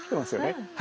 はい。